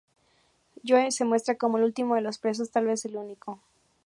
Joe se muestra como el último de los presos, tal vez el único.